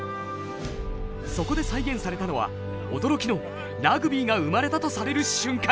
そこで再現されたのは驚きのラグビーが生まれたとされる瞬間！